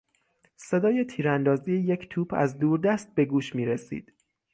صدای تیراندازی یک توپ از دوردست به گوش میرسید.